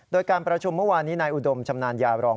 โดยการประชุมเมื่อวานนี้นายอุดมชำนาญญาบรอง